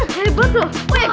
geren banget ya